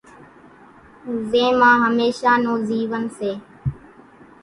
زين مان ھميشا نون زيون سي۔